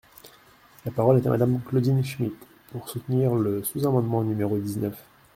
La parole est à Madame Claudine Schmid, pour soutenir le sous-amendement numéro dix-neuf.